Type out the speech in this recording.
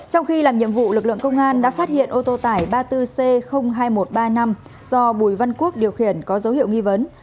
trong khi làm nhiệm vụ lực lượng công an đã phát hiện ô tô tải ba mươi bốn c hai nghìn một trăm ba mươi năm do bùi văn quốc điều khiển có dấu hiệu nghi vấn